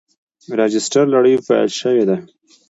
راجستر لړۍ پیل شوې ده.